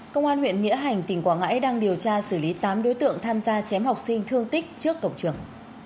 công an huyện nghĩa hành tỉnh quảng ngãi đang điều tra xử lý tám đối tượng tham gia chém học sinh thương tích trước cổng trường